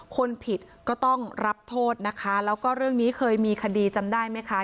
คนผิดก็ต้องรับโทษนะคะแล้วก็เรื่องนี้เคยมีคดีจำได้ไหมคะ